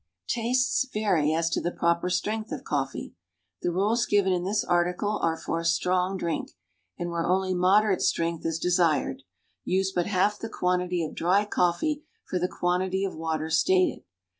Tastes vary as to the proper strength of coffee. The rules given in this article are for a strong drink; and where only moderate strength is desired, use but half the quantity of dry coffee for the quantity of water stated.